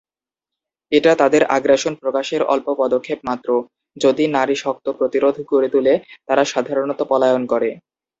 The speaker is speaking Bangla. এটা তাদের আগ্রাসন প্রকাশের অল্প পদক্ষেপ মাত্র, যদি নারী শক্ত প্রতিরোধ গড়ে তুলে, তারা সাধারণত পলায়ন করে।